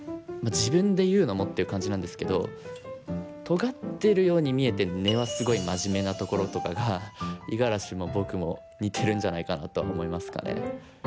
自分で言うのもっていう感じなんですけどとがってるように見えて根はすごいマジメなところとかが五十嵐も僕も似てるんじゃないかなとは思いますかね。